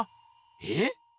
えっ？